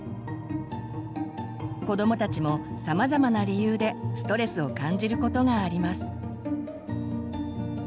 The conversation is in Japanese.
子どもたちもさまざまな理由でストレスを感じることがあります。